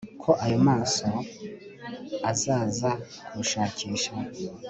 ko ayo maso azaza kunshakisha